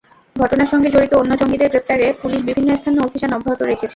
ঘটনার সঙ্গে জড়িত অন্য জঙ্গিদের গ্রেপ্তারে পুলিশ বিভিন্ন স্থানে অভিযান অব্যাহত রেখেছে।